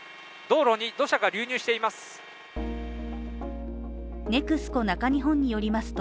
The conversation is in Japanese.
道路に土砂が流入しています。